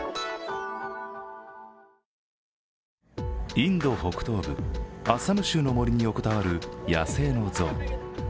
インド北東部アッサム州の森に横たわる野生の象。